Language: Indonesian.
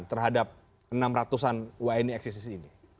terhadap enam ratusan wni ex isis ini